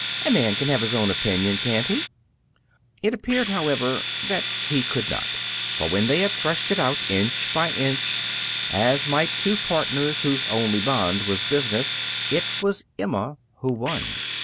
A man can have his own opinion, can't he?" It appeared, however, that he could not. For when they had threshed it out, inch by inch, as might two partners whose only bond was business, it was Emma who won.